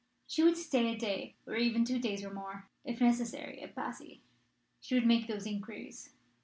She would stay a day, or even two days or more, if necessary, at Passy. She would make those inquiries.